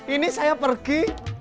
ini saya pergi